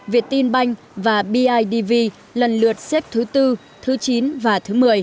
việtinbank và bidv lần lượt xếp thứ bốn thứ chín và thứ một mươi